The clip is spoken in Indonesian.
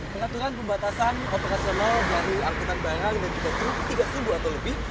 peraturan pembatasan operasional dari angkutan barang dan truk tiga sumbu atau lebih